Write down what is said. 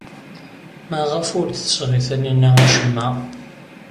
Maɣef ur d-tesɣi Taninna acemma?